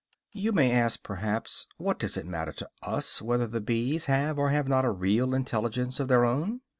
You may ask, perhaps, what does it matter to us whether the bees have or have not a real intelligence of their own?